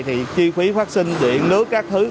thì chi phí phát sinh điện nước các thứ